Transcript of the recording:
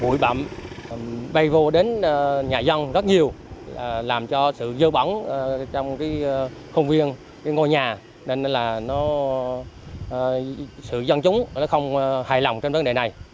bụi bậm bay vô đến nhà dân rất nhiều làm cho sự dơ bẩn trong khung viên ngôi nhà nên là sự dân chúng không hài lòng trong vấn đề này